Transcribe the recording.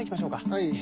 はい。